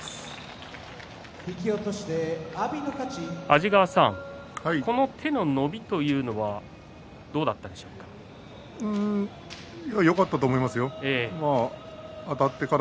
安治川さんこの手の伸びというのはどうでしたか？